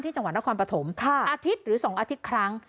จังหวัดนครปฐมอาทิตย์หรือ๒อาทิตย์ครั้ง